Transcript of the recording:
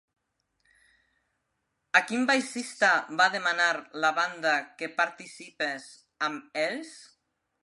A quin baixista va demanar la banda que participes amb ells?